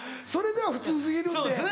それでは普通過ぎるんで。